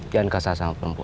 jangan kasa sama perempuan